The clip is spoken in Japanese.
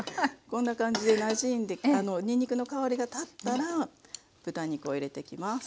こんな感じでなじんでにんにくの香りが立ったら豚肉を入れていきます。